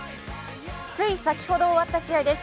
つい先ほど終わった試合です。